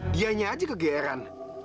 dianya aja kegeeran